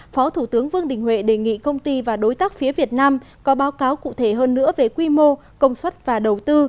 phó thủ tướng vương đình huệ đề nghị công ty và đối tác phía việt nam có báo cáo cụ thể hơn nữa về quy mô công suất và đầu tư